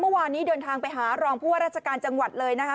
เมื่อวานี้เดินทางไปหารองพรรดิศพศาสตร์จังหวัดเลยนะคะ